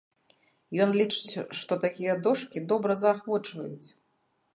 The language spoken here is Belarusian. Ён лічыць, што такія дошкі добра заахвочваюць!